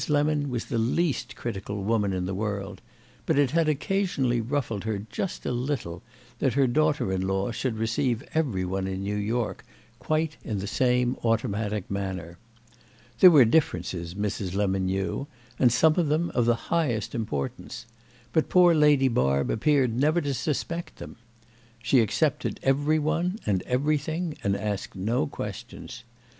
Lemon was the least critical woman in the world, but it had occasionally ruffled her just a little that her daughter in law should receive every one in New York quite in the same automatic manner. There were differences, Mrs. Lemon knew, and some of them of the highest importance; but poor Lady Barb appeared never to suspect them. She accepted every one and everything and asked no questions.